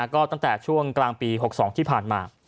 ก็ตั้งแต่ช่วงกลางปี๖๒ที่ผ่านมา